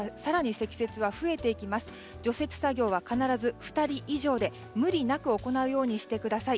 除雪作業は必ず２人以上で無理なく行うようにしてください。